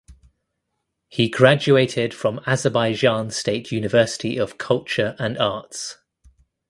He graduated from Azerbaijan State University of Culture and Arts.